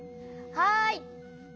はい。